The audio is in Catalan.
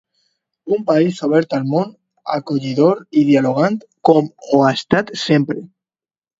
Un país obert al món, acollidor i dialogant, com ho ha estat sempre.